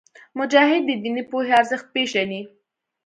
مجاهد د دیني پوهې ارزښت پېژني.